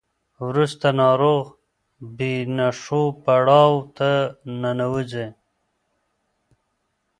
وروسته ناروغ بې نښو پړاو ته ننوځي.